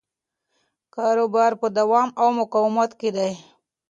کاروبار په دوام او مقاومت کې دی.